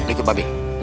ikut pak be